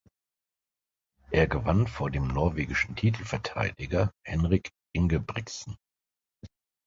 Er gewann vor dem norwegischen Titelverteidiger Henrik Ingebrigtsen.